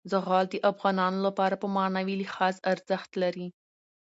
زغال د افغانانو لپاره په معنوي لحاظ ارزښت لري.